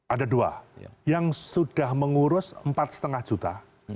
ada dua yang sudah mengurus empat lima juta